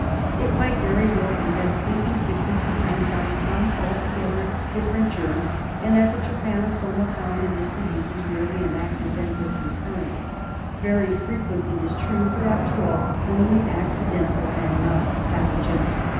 It might very well be that Sleeping Sickness depends on some altogether different germ, and that the trypano soma found in this disease is merely an accidental con currence ; very frequent it is true, but after all only acci dental and not pathogenic.